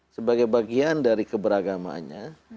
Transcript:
sebagai bagian dari keberagamannya